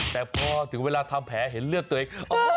แต่พอถึงเวลาทำแผลเห็นเลือดตัวเองเข้า